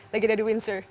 lagi ada di windsor